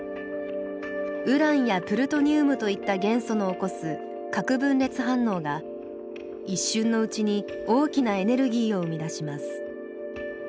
ウランやプルトニウムといった元素の起こす核分裂反応が一瞬のうちに大きなエネルギーを生み出します。